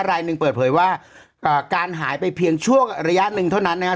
รายหนึ่งเปิดเผยว่าการหายไปเพียงช่วงระยะหนึ่งเท่านั้นนะครับ